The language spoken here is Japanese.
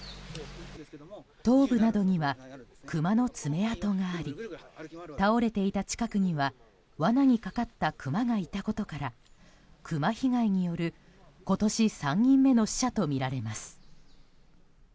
頭部などにはクマの爪痕があり倒れていた近くには罠にかかったクマがいたことからクマ被害による今年３人目の死者とみられます。